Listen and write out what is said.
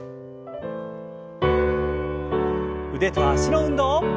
腕と脚の運動。